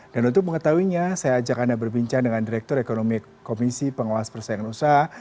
untuk mengetahuinya saya ajak anda berbincang dengan direktur ekonomi komisi pengawas persaingan usaha